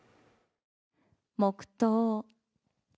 黙とう。